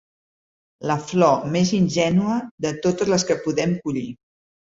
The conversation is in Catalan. La flor més ingènua de totes les que podem collir.